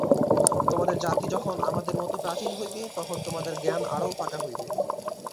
তোমাদের জাতি যখন আমাদের মত প্রাচীন হইবে, তখন তোমাদের জ্ঞান আরও পাকা হইবে।